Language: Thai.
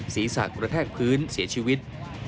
ศีรษะกระแทกพื้นเสียชีวิต